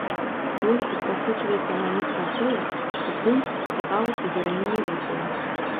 У роліку прасочваецца намёк на тое, што прынцу спадабалася гераіня відэа.